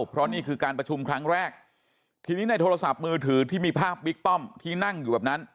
เพราะนี่คือการประชุมครั้งแรกทีนี้ในโทรศัพท์มือถือที่มีภาพบิ๊กป้อมที่นั่งอยู่แบบนั้น